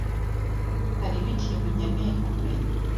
Hariho ikintu nkeneye kumenya.